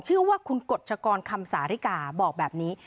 ชื่อว่าคุณกฎชกรคำสาริกาบอกแบบนี้